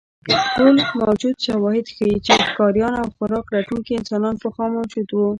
ټول موجود شواهد ښیي، چې ښکاریان او خوراک لټونکي انسانان پخوا موجود وو.